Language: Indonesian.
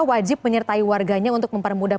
wajib menyertai warganya untuk mempermudah